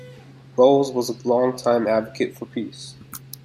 Bowles was a long-time advocate for peace.